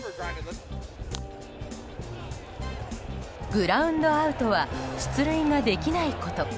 グラウンドアウトは出塁ができないこと。